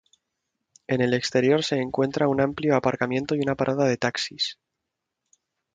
En el exterior se encuentra un amplio aparcamiento y una parada de taxis.